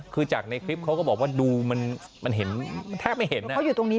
คือจากในคลิปเขาก็บอกว่าดูมันเห็นแทบไม่เห็นเขาอยู่ตรงนี้